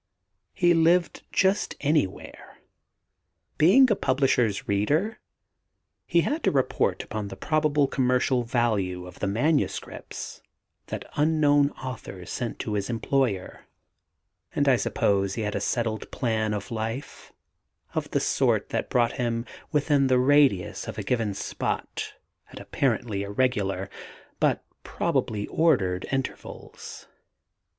He lived just anywhere. Being a publisher's reader, he had to report upon the probable commercial value of the manuscripts that unknown authors sent to his employer, and I suppose he had a settled plan of life, of the sort that brought him within the radius of a given spot at apparently irregular, but probably ordered, intervals.